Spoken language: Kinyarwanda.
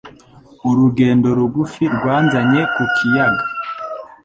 Urugendo rugufi rwanzanye ku kiyaga.